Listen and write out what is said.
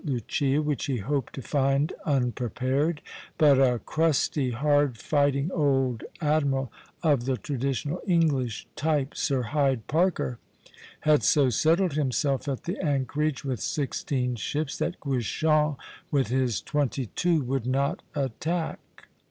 Lucia, which he hoped to find unprepared; but a crusty, hard fighting old admiral of the traditional English type, Sir Hyde Parker, had so settled himself at the anchorage, with sixteen ships, that Guichen with his twenty two would not attack.